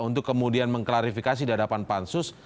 untuk kemudian mengklarifikasi di hadapan pansus